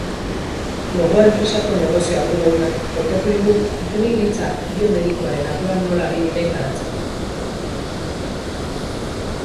Gogoa enpresako negozio arduradunak kontatu digu ingeniaritza biomedikoaren arloan nola ari diren garatzen.